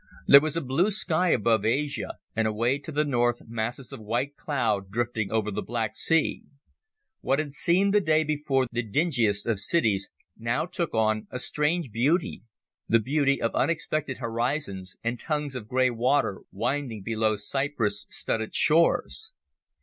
There was a blue sky above Asia, and away to the north masses of white cloud drifting over the Black Sea. What had seemed the day before the dingiest of cities now took on a strange beauty, the beauty of unexpected horizons and tongues of grey water winding below cypress studded shores.